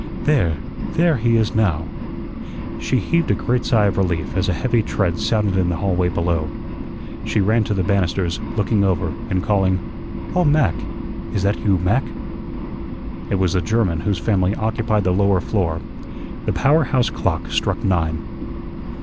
"There THERE he is now." She heaved a great sigh of relief as a heavy tread sounded in the hallway below. She ran to the banisters, looking over, and calling, "Oh, Mac! Is that you, Mac?" It was the German whose family occupied the lower floor. The power house clock struck nine.